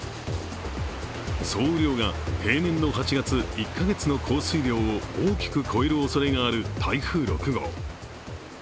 総雨量が平年の８月、１か月の降水量を大きく超える恐れがある台風６号。